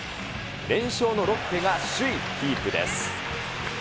連勝のロッテが首位キープです。